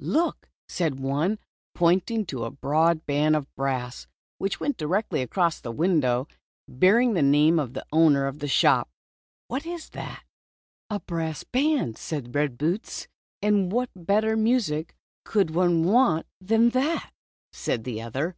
" Look," said one, pointing to a broad band of brass, which went directly across the window, bearing the name of the owner of the shop, "what is that? " "A brass band," said Red Boots. "And what better music could one want than that?" said the other.